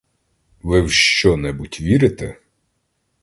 Ви в що-небудь вірите?